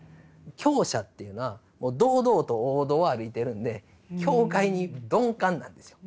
強者っていうのは堂々と王道を歩いてるんで境界に鈍感なんですよ。